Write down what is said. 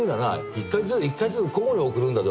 １回ずつ交互に送るんだぞ。